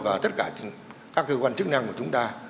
và tất cả các cơ quan chức năng của chúng ta